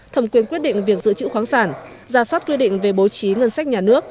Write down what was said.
thẩm quyền quyết định việc giữ chữ khoáng sản ra soát quy định về bố trí ngân sách nhà nước